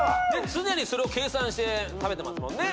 常にそれを計算して食べてますもんね。